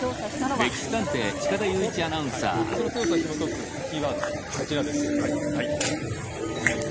はいでその強さをひもとくキーワードはですねこちらです。